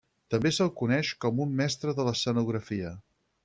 També se'l coneix com un mestre de l'escenografia.